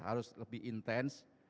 harus lebih intens